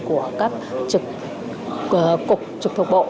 của các trực thục bộ